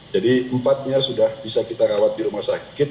jadi empat nya sudah bisa kita rawat di rumah sakit